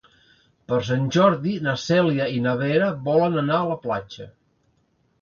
Per Sant Jordi na Cèlia i na Vera volen anar a la platja.